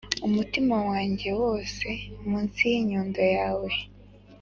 umutima wanjye wose munsi y'inyundo yawe,